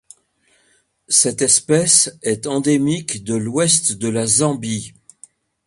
Cette espèce est endémique de l'Ouest de la Zambie.